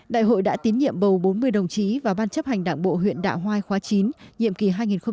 đại hội đã tín nhiệm bầu bốn mươi đồng chí vào ban chấp hành đảng bộ huyện đạ hoai khóa chín nhiệm kỳ hai nghìn hai mươi hai nghìn hai mươi năm